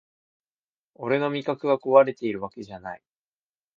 俺の味覚がこわれてるわけじゃない